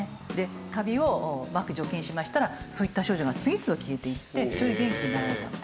カビをうまく除菌しましたらそういった症状が次々と消えていってそれで元気になられたという。